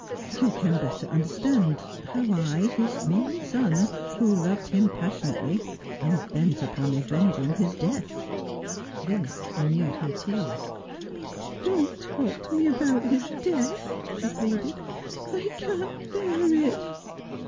You can the better understand how I, his only son, who loved him passionately, am bent up^u avenging his death.' This renewed her tears. 'Don't talk to me about his death,' she pleaded. 'I can't bear it.'